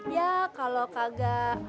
ya kalau kagak